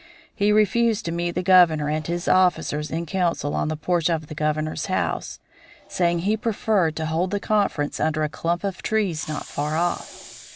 He refused to meet the Governor and his officers in council on the porch of the Governor's house, saying he preferred to hold the conference under a clump of trees not far off.